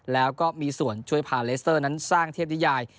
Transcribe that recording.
แล้วก็มีส่วนช่วยพาเลสเตอร์นั้นสร้างเทพนิยาย